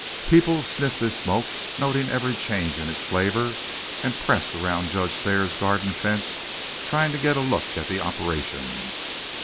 People sniffed his smoke, noting every change in its flavor, and pressed around Judge Thayer's garden fence trying to get a look at the operations.